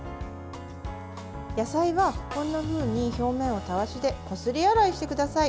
野菜はこんなふうに表面をたわしでこすり洗いしてください。